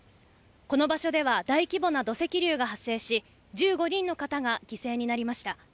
この場所では大規模な土石流が発生し、１５人の方が犠牲になりました。